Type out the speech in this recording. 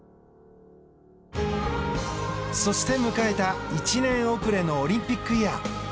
そして迎えた１年遅れのオリンピックイヤー。